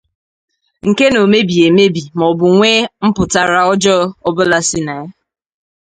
nke na o mebighị emebi maọbụ nwee mpụtara ọjọọ ọbụla si na ya.